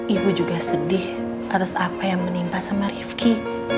ibu juga sedih atas apa yang menimpa sama rifki